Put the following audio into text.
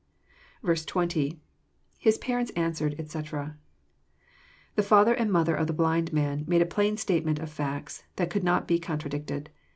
'* i>0. — l^His parents answered, etc,"] The father and mother of the blind man made a plain statement of facts, that could not be contradicted.